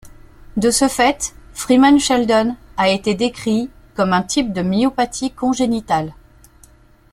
De ce fait, Freeman-Sheldon a été décrit comme un type de myopathie congénitale.